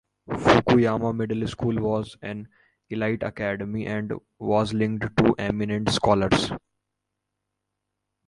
Fukuyama Middle School was an elite academy and was linked to eminent scholars.